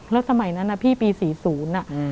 แล้วสมัยนั้นนะพี่ปี๔๐อ่ะ